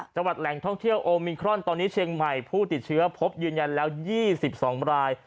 แหล่งท่องเที่ยวโอมิครอนตอนนี้เชียงใหม่ผู้ติดเชื้อพบยืนยันแล้ว๒๒ราย